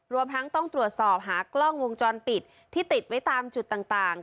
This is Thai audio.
รวมทั้งต้องตรวจสอบหากล้องวงจรปิดที่ติดไว้ตามจุดต่าง